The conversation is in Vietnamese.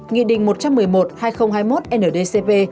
nghị định một trăm một mươi một hai nghìn hai mươi một ndcp